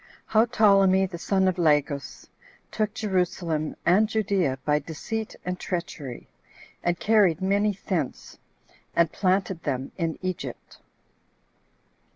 How Ptolemy The Son Of Lagus Took Jerusalem And Judea By Deceit And Treachery, And Carried Many Thence, And Planted Them In Egypt.